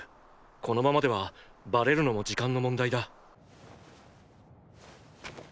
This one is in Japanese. このままではバレるのも時間の問題だ。